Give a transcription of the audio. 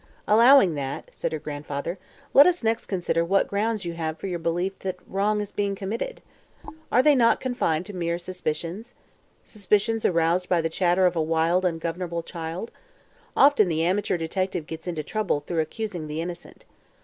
"Allowing that," said her grandfather, "let us next consider what grounds you have for your belief that wrong is being committed. Are they not confined to mere suspicions? Suspicions aroused by the chatter of a wild, ungoverned child? Often the amateur detective gets into trouble through accusing the innocent.